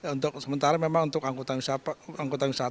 untuk sementara memang untuk angkutan di selatan